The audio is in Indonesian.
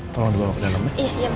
tolong dibawa ke dalam ya